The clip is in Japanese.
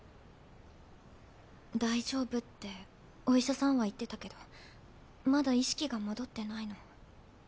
大丈夫ってお医者さんは言ってたけどまだ意識が戻ってないの。